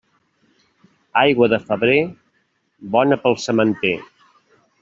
Aigua de febrer, bona pel sementer.